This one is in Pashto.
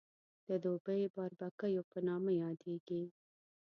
د دوبۍ باربکیو په نامه یادېږي.